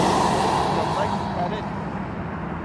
Irotaki pareto